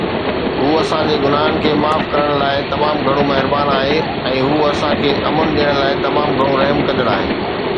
هو اسان جي گناهن کي معاف ڪرڻ لاء تمام گهڻو مهربان آهي، ۽ هو اسان کي امن ڏيڻ لاء تمام گهڻو رحم ڪندڙ آهي